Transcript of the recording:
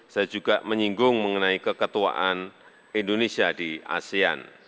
saya juga menyinggung mengenai keketuaan indonesia di asean